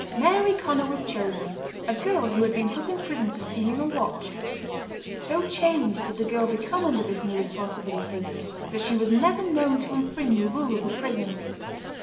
Mary Conner was chosen, a girl who had been put in prison for stealing a watch. So changed did the girl become under this new responsibility, that she was never known to infringe a rule of the prison.